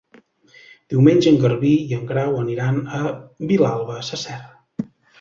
Diumenge en Garbí i en Grau aniran a Vilalba Sasserra.